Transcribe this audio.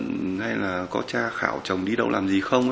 hay là có cha khảo chồng đi đâu làm gì không